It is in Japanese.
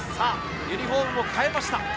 ユニホームを変えました。